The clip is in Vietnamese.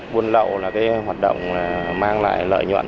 buôn lậu là hoạt động mang lại lợi nhuận